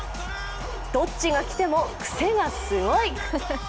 どっちが来ても癖がすごい。